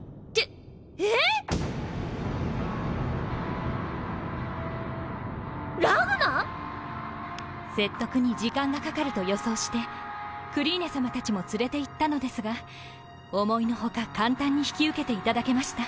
えぇ⁉ラグナ⁉説得に時間がかかると予想してクリーネさまたちも連れていったのですが思いの外簡単に引き受けていただけました。